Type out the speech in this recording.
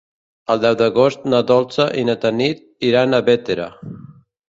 El deu d'agost na Dolça i na Tanit iran a Bétera.